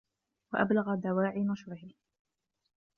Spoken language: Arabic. وَأَبْلَغَ دَوَاعِي نَشْرِهِ